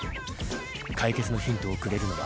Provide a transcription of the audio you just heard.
解決のヒントをくれるのは。